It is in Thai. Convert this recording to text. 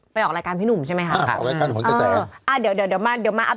ไปออกรายการพี่หนุ่มใช่ไหมครับ